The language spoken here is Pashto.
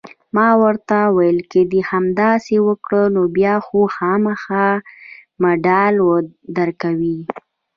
ما ورته وویل: که دې همداسې وکړل، نو بیا خو خامخا مډال درکوي.